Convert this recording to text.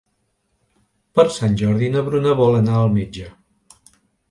Per Sant Jordi na Bruna vol anar al metge.